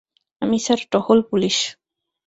আমি স্যার টহল পুলিশ।